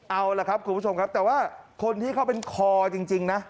เอาล่ะครับคุณผู้ชมครับแต่ว่าคนที่เขาเป็นคอจริงนะ